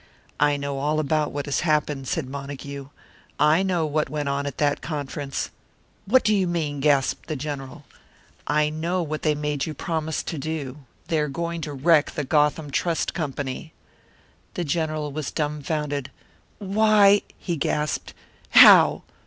"I know all about what has happened," said Montague. "I know what went on at that conference." "What do you mean?" gasped the General. "I know what they made you promise to do. They are going to wreck the Gotham Trust Company." The General was dumfounded. "Why!" he gasped. "How?